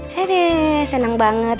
hadeh senang banget